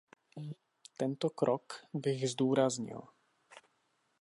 Tento krok bych zdůraznil.